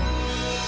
njivdone ke yak